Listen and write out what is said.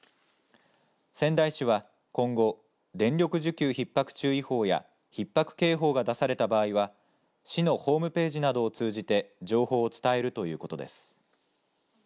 仙台市は今後電力需給ひっ迫注意報やひっ迫警報が出された場合は市のホームページなどを通じて情報を伝えるということです。